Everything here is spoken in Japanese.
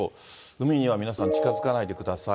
海には皆さん、近づかないでください。